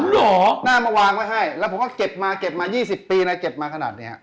หน้ามาวางไว้ให้แล้วผมก็เก็บมาเก็บมา๒๐ปีนะเก็บมาขนาดนี้